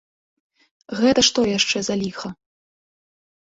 Гэта што яшчэ за ліха?